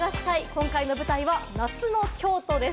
今回の舞台は夏の京都です。